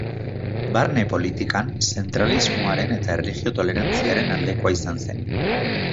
Barne-politikan, zentralismoaren eta erlijio-tolerantziaren aldeko izan zen.